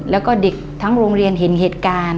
แล้วก็เด็กทั้งโรงเรียนเห็นเหตุการณ์